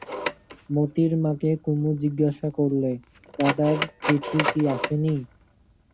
মোতির মাকে কুমু জিজ্ঞাসা করলে, দাদার চিঠি কি আসে নি?